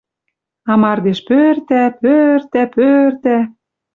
А мардеж пӧртӓ, пӧртӓ, пӧртӓ